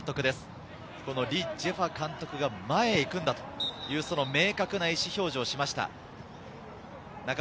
リ・ジェファ監督が前へ行くんだという、その明確な意思表示をしました。